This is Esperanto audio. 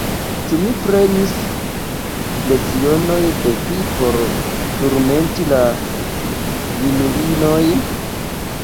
Ĉu mi prenis lecionojn de vi por turmenti la junulinojn?